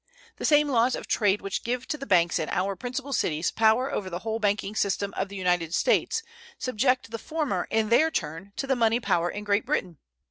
The same laws of trade which give to the banks in our principal cities power over the whole banking system of the United States subject the former, in their turn, to the money power in Great Britain.